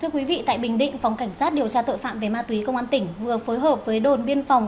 thưa quý vị tại bình định phòng cảnh sát điều tra tội phạm về ma túy công an tỉnh vừa phối hợp với đồn biên phòng